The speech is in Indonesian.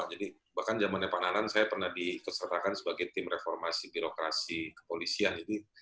jadi bahkan zaman depan anan saya pernah dikesertakan sebagai tim reformasi birokrasi kepolisian